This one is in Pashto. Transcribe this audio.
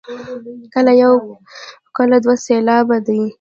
کله یو او کله دوه سېلابه دی.